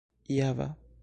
java